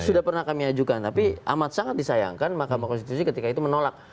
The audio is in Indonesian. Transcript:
sudah pernah kami ajukan tapi amat sangat disayangkan mahkamah konstitusi ketika itu menolak